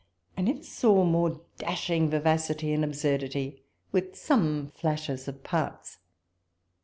I never saw more dashing vivacity and absurdity, with some flashes of parts.